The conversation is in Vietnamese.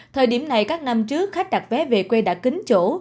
thời điểm này các năm trước khách đặt vé về quê đã kính chỗ